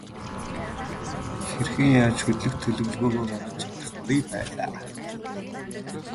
Хэрхэн яаж хөдлөх төлөвлөгөөгөө гаргаж чадахгүй байлаа.